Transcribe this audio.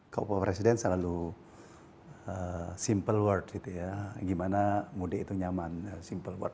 kalau pak presiden selalu simple world gitu ya gimana mudik itu nyaman simple worl